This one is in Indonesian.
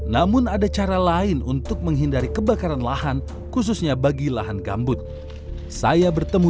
namun ada cara lain untuk menghindari kebakaran lahan khususnya bagi lahan gambut saya bertemu